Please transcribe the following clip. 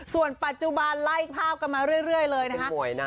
ส่วนปัจจุบันไล่ภาพกันมาเรื่อยเลยนะคะ